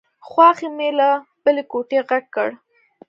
خواښې مې له بلې کوټې غږ کړ.